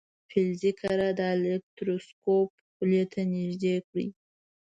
فلزي کره د الکتروسکوپ خولې ته نژدې کړئ.